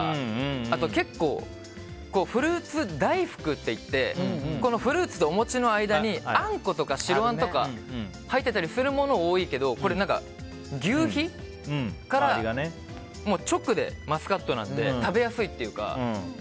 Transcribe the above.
あと結構フルーツ大福っていってこのフルーツとお餅の間にあんことか白あんとか入ってたりするものは多いけどこれは求肥から直でマスカットなんで食べやすいっていうか。